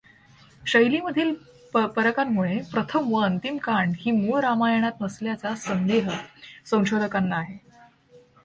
शैलीमधील फरकांमुळे प्रथम व अंतिम कांड ही मूळ रामायणात नसल्याचा संदेह संशोधकांना आहे.